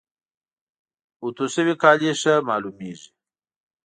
اوتو شوي کالي ښه معلوميږي.